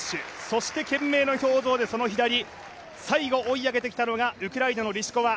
そして懸命の表情でその左、最後、追い上げてきたのはウクライナのリシコワ。